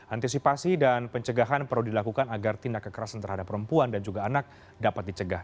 antisipasi dan pencegahan perlu dilakukan agar tindak kekerasan terhadap perempuan dan juga anak dapat dicegah